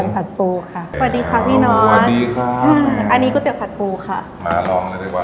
สวัสดีครับพี่น้องอันนี้กุ๊ตเตี๋ยวผัดปูค่ะมาลองเลยดีกว่า